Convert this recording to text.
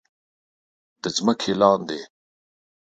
د ځمکې لاندې